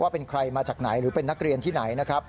เป็นใครมาจากไหนหรือเป็นนักเรียนที่ไหนนะครับ